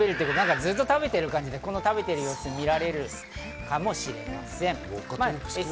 ずっと食べてる感じで、この様子も見られるかもしれません。